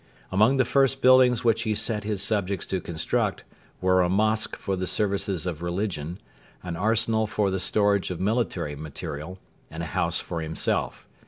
Among the first buildings which he set his subjects to construct were a mosque for the services of religion, an arsenal for the storage of military material, and a house for himself.